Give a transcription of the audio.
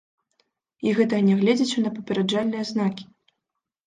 І гэта нягледзячы на папераджальныя знакі.